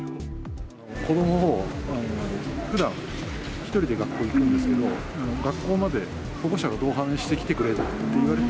子どもはふだん、１人で学校行くんですけど、学校まで保護者が同伴してきてくれって言われて。